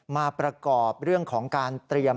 มาประกอบเรื่องของการเตรียม